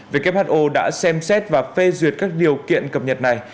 who đã xem xét và phê duyệt các điều kiện cập nhật này